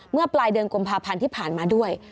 เมื่อปลายเดือนกุมภาพันธ์ที่ผ่านมาด้วย